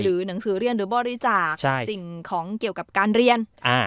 หนังสือเรียนหรือบริจาคสิ่งของเกี่ยวกับการเรียน